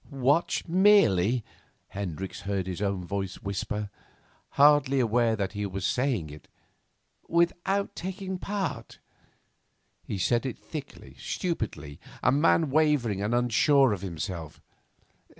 'Watch merely?' Hendricks heard his own voice whisper, hardly aware that he was saying it, 'without taking part?' He said it thickly, stupidly, a man wavering and unsure of himself.